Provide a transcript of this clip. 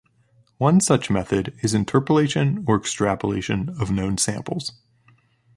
One such method is interpolation or extrapolation of known samples.